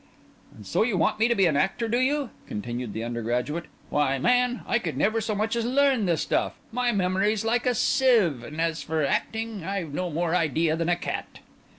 "And so you want me to be an actor, do you?" continued the undergraduate. "Why, man, I could never so much as learn the stuff; my memory's like a sieve; and as for acting, I've no more idea than a cat."